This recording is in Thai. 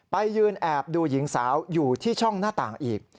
ไปยืนแอบดูหญิงสาวอยู่ที่ช่องหน้าต่างอีก